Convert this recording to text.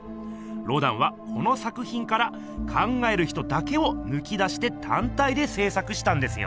ロダンはこの作ひんから「考える人」だけをぬき出してたん体でせい作したんですよ。